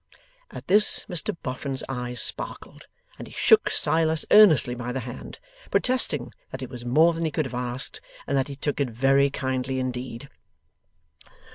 At this, Mr Boffin's eyes sparkled, and he shook Silas earnestly by the hand: protesting that it was more than he could have asked, and that he took it very kindly indeed.